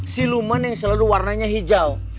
siluman yang selalu warnanya hijau